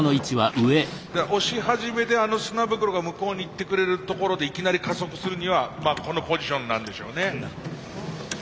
押し始めであの砂袋が向こうにいってくれるところでいきなり加速するにはこのポジションなんでしょうね。